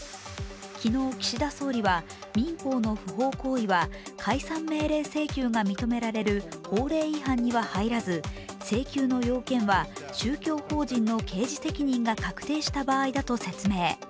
昨日、岸田総理は民法の不法行為は解散命令請求が認められる法令違反には入らず請求の要件は宗教法人の刑事責任が確定した場合だと説明。